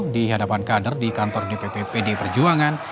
di hadapan kader di kantor dpp pdi perjuangan